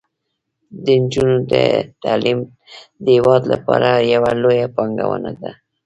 د نجونو تعلیم د هیواد لپاره یوه لویه پانګونه ده.